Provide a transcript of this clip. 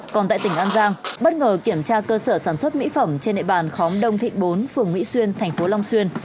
còn tại tỉnh an giang bất ngờ kiểm tra cơ sở sản xuất mỹ phẩm trên địa bàn khóm đông thịnh bốn phường mỹ xuyên thành phố long xuyên